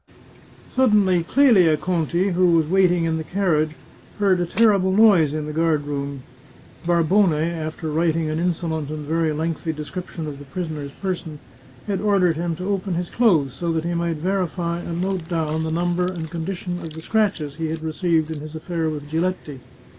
Suddenly Qelia Conti, who was waiting in the carriage, heard a terrible noise in the g^ard room. Barbone, after writing an insolent and very lengthy description of the prisoner's person, had ordered him to open his clothes, so that he might verify and note down the number and condi tion of the scratches he had received in his affair with Giletti.